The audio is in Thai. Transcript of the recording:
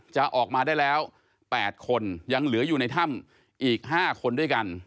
จะออกมาได้แล้ว๘คนยังเหลืออยู่ในถ้ำอีก๕คนด้วยกัน